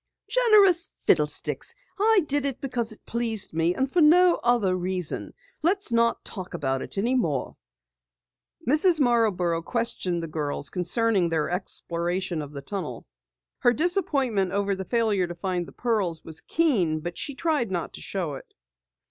"Generous, fiddlesticks! I did it because it pleased me and for no other reason. Let's not talk about it any more." Mrs. Marborough questioned the girls concerning their exploration of the tunnel. Her disappointment over the failure to find the pearls was keen but she tried not to show it.